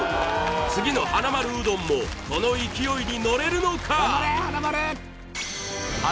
次のはなまるうどんもこの勢いに乗れるのか？は